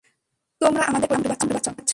তোমরা আমাদের পরিবারের নাম ডুবাচ্ছ!